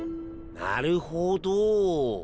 なるほど。